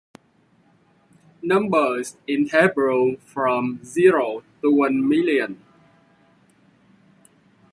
Numbers in Hebrew from zero to one million.